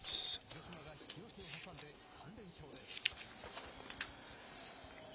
広島が引き分けを挟んで３連勝です。